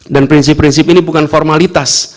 dan prinsip prinsip ini bukan formalitas